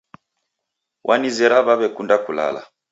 Wanizera waw'ekunda kulala.